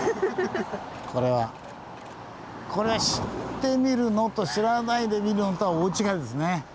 これは知って見るのと知らないで見るのとは大違いですね。